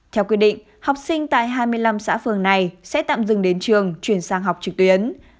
theo quy định học sinh tại hai mươi năm xã phường này sẽ tạm dừng đến trường chuyển sang học trực tuyến